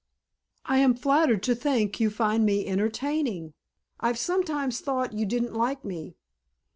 "I am flattered to think you find me entertaining. I've sometimes thought you didn't like me."